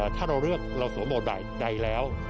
ถ้าเราเลือกเราสวมบทบาทใดแล้ว